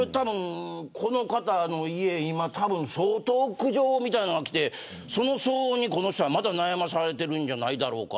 この方の家、たぶん相当苦情みたいなのがきてその騒音にまた悩まされているんじゃないだろうか。